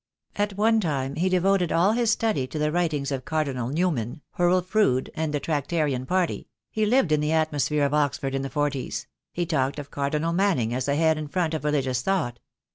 At one time he devoted all his study to the writings of Cardinal New man, Hurrel Froude, and the Tractarian Party — he lived in the atmosphere of Oxford in the forties; he talked of Cardinal Manning as the head and front of religious thought.